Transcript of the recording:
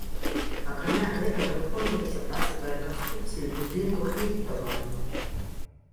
Акрамя гэтага, выконваліся працы па рэканструкцыі будынкаў і збудаванняў.